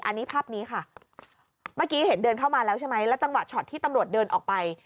อันนี้ภาพนี้ค่ะเมื่อกี้เห็นเดินเข้ามาแล้วใช่ไหมแล้วจังหวะช็อตที่ตำรวจเดินออกไป